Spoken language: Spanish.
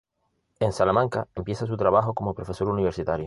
En Salamanca empieza su trabajo como profesor universitario.